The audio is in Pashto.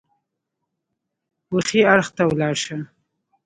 وښي اړخ ته ولاړ شه !